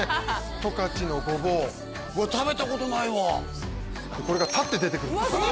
十勝のゴボウうわ食べたことないわこれが立って出てくるんですええ！